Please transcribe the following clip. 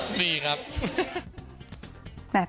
ไม่มีเลยไม่มีครับ